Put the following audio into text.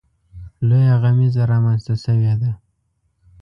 لویه غمیزه رامنځته شوې ده.